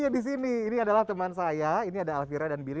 di sini ini adalah teman saya ini ada alfira dan biry